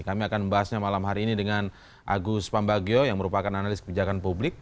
kami akan membahasnya malam hari ini dengan agus pambagio yang merupakan analis kebijakan publik